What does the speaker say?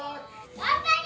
頑張れ！